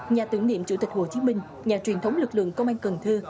nhà tưởng niệm chủ tịch hồ chí minh nhà truyền thống lực lượng công an cần thơ